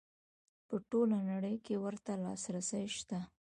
په ټوله نړۍ کې ورته لاسرسی شته.